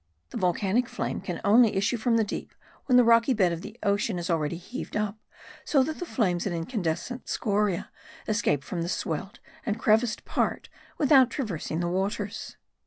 The volcanic flame can only issue from the deep when the rocky bed of the ocean is already heaved up so that the flames and incandescent scoriae escape from the swelled and creviced part without traversing the waters.